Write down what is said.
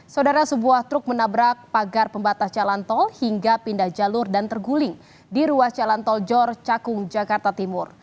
saudara sebuah truk menabrak pagar pembatas jalan tol hingga pindah jalur dan terguling di ruas jalan tol jor cakung jakarta timur